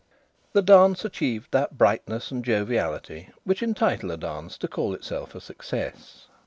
The dance achieved that brightness and joviality which entitle a dance to call itself a success.